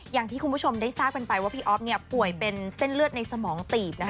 อย่างที่คุณผู้ชมได้ทราบกันไปว่าพี่อ๊อฟป่วยเป็นเส้นเลือดในสมองตีบนะคะ